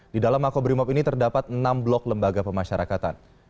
di dalam makobrimob ini terdapat enam blok lembaga pemasyarakatan